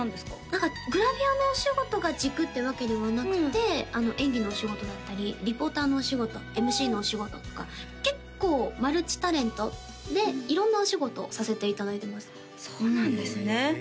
何かグラビアのお仕事が軸ってわけではなくて演技のお仕事だったりリポーターのお仕事ＭＣのお仕事とか結構マルチタレントで色んなお仕事をさせていただいてますそうなんですね